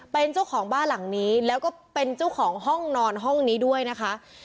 เป็นเจ้าของบ้านหลังนี้แล้วก็เป็นเจ้าของห้องนอนห้องนี้ด้วยนะคะ